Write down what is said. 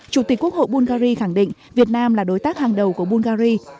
chủ tịch quốc hội bulgari khẳng định việt nam là đối tác hàng đầu của bulgari